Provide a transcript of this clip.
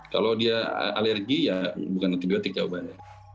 kalau dia alergi ya bukan antibiotik ya obatnya